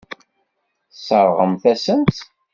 Tesseṛɣemt-asen-tt.